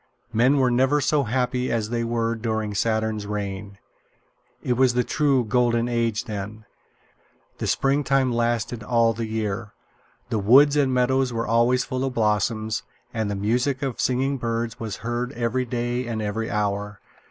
Men were never so happy as they were during Saturn's reign. It was the true Golden Age then. The springtime lasted all the year. The woods and meadows were always full of blossoms, and the music of singing birds was heard every day and every hour.